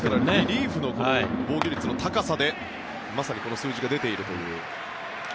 リリーフの防御率の高さでまさにこの数字が出ているという。